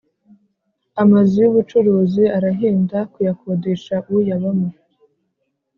Amazu y’ubucuruzi arahenda kuyakodesha uyabamo